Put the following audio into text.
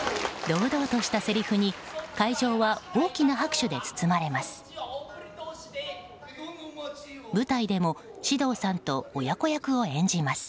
堂々としたせりふに会場は大きな拍手で包まれます。